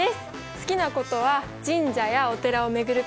好きなことは神社やお寺を巡ること